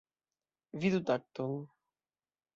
Vidu takton.